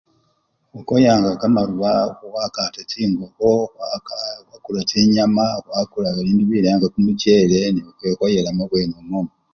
Khukoyanga kamalwa khwakata chingokho, khwakula chinyama khwakula bindu bilayi nga kumuchele nekhwikhoyela mubwene omwomwo.